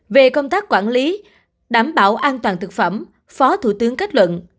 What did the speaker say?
về công tác quản lý đảm bảo an toàn thực phẩm phó thủ tướng kết luận